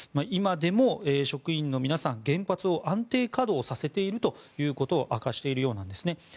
今でも職員の皆さんは原発を安定稼働していると明かしているようなんですね。